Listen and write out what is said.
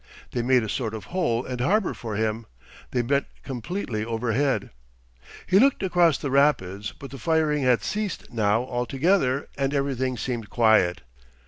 They made a sort of hole and harbour for him; they met completely overhead. He looked across the rapids, but the firing had ceased now altogether and everything seemed quiet.